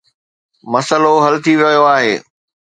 مسئلو حل ٿي ويو آهي.